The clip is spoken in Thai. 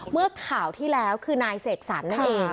เมื่อข่าวที่แล้วคือนายเสกสรรนั่นเอง